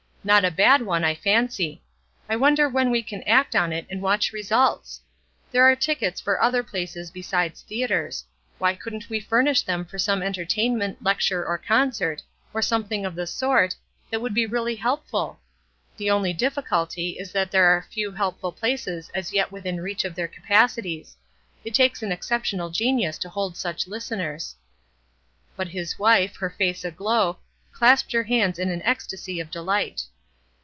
"Not a bad one, I fancy. I wonder when we can act on it and watch results? There are tickets for other places besides theatres. Why couldn't we furnish them for some entertainment, lecture, or concert, or something of the sort, that would be really helpful? The only difficulty is that there are few helpful places as yet within reach of their capacities. It takes an exceptional genius to hold such listeners." But his wife, her face aglow, clasped her hands in an ecstasy of delight.